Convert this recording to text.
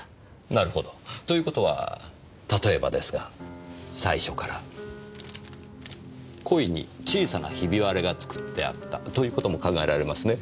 なるほど。という事は例えばですが最初から故意に小さなひび割れが作ってあったという事も考えられますね。